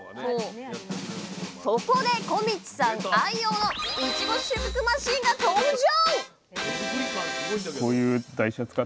そこで小道さん愛用のいちご収穫マシンが登場！